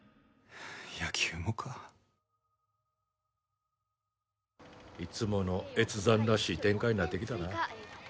野球もかいつもの越山らしい展開になってきたな